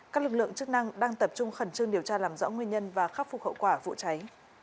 các lực lượng chức năng đang tập trung khẩn trương điều tra làm rõ nguyên nhân và khắc phục hậu quả vụ cháy